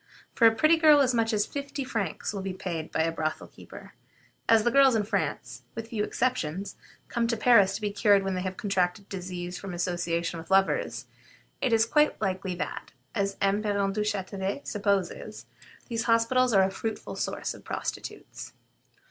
For a pretty girl as much as fifty francs will be paid by a brothel keeper. As the girls in France, with few exceptions, come to Paris to be cured when they have contracted disease from association with lovers, it seems quite likely that, as M. Parent Duchatelet supposes, these hospitals are a fruitful source of prostitutes.